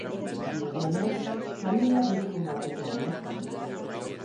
Dirudienez, familia dirudun batekoa omen zen.